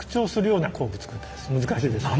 難しいですけど。